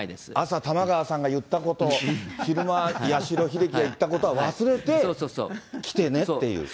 朝、玉川さんが言ったこと、昼間、八代ひできが言ったことは忘れて来てねっていう。